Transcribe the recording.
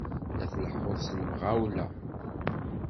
La tleḥḥuḍ s lemɣawla!